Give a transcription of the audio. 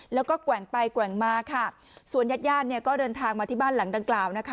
แล้วก็แกว่งไปแกว่งมาค่ะส่วนญาติญาติเนี่ยก็เดินทางมาที่บ้านหลังดังกล่าวนะคะ